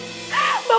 tegah membunuh ibu kami